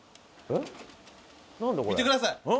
見てください！